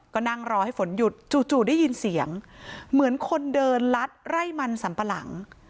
ก็นั่งรอให้ฝนหยุดจู่ได้ยินเสียงเหมือนคนเดินลัดไร่มันสัมปะหลัง